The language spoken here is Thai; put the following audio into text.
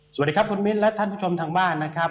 สวัสดีครับคุณมิ้นและท่านผู้ชมทางบ้านนะครับ